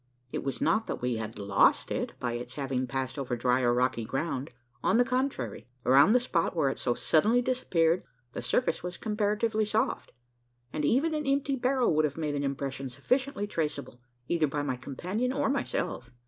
It was not that we had lost it by its having passed over dry or rocky ground. On the contrary, around the spot where it so suddenly disappeared, the surface was comparatively soft; and even an empty barrow would have made an impression sufficiently traceable, either by my companion or myself.